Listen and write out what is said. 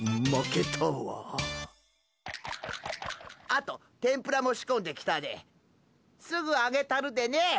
あと天ぷらも仕込んできたですぐ揚げたるでね。